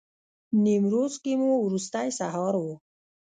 نیمروز کې مو وروستی سهار و.